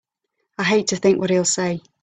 I hate to think what he'll say!